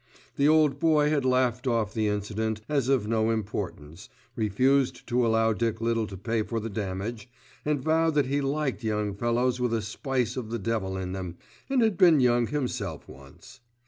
The old boy had laughed off the incident as of no importance, refused to allow Dick Little to pay for the damage, and vowed that he liked young fellows with a spice of the devil in them, had been young himself once.